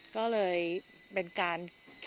ก็เลยเป็นการ